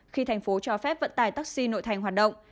khi thành phố cho phép vận tải taxi nội thành hoạt động